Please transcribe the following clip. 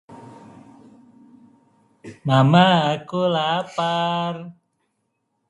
The style is largely of the Aesthetic Movement.